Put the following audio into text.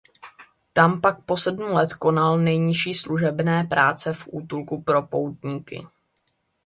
Tam pak po sedm let konal nejnižší služebné práce v útulku pro poutníky.